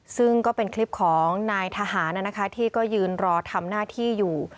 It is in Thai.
ซึ่งก็เป็นคลิปของนายทหารที่ก็ยืนรอทำหน้าที่อยู่